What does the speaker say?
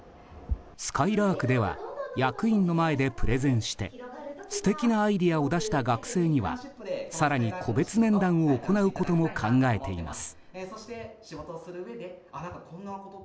すかいらーくでは役員の前でプレゼンして素敵なアイデアを出した学生には更に個別面談を行うことも考えています。